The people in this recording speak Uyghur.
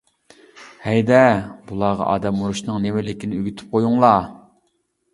-ھەيدە! بۇلارغا ئادەم ئۇرۇشنىڭ نېمىلىكىنى ئۆگىتىپ قويۇڭلار!